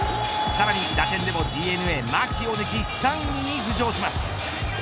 さらに打点でもＤｅＮＡ牧を抜き３位に浮上します。